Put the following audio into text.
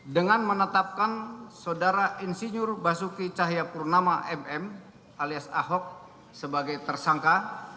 dengan menetapkan saudara insinyur basuki cahayapurnama mm alias ahok sebagai tersangka